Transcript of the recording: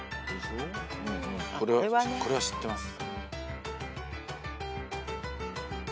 これは知ってます。